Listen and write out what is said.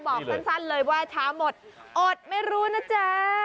บอกสั้นเลยว่าช้าหมดอดไม่รู้นะจ๊ะ